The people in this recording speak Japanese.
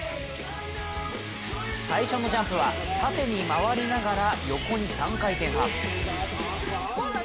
最初のジャンプは、縦に回りながら横に３回転半。